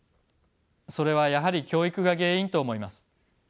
それはやはり教育が原因と思います。